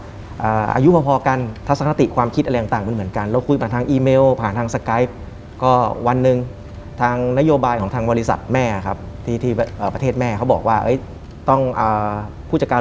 อายุพอกันทัศนคติความคิดอะไรต่างมันเหมือนกันเราคุยผ่านทางอีเมลผ่านทางสไกด์ก็วันหนึ่งทางนโยบายของทางบริษัทแม่ครับที่ที่ประเทศแม่เขาบอกว่าต้องผู้จัดการ